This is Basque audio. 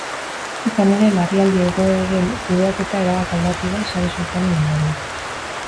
Izan ere, larrialdi egoeren kudeaketa erabat aldatu da sare sozialen ondorioz.